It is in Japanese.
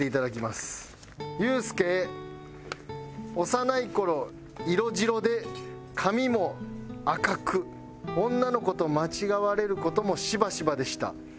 「幼い頃色白で髪も赤く女の子と間違われる事もしばしばでした」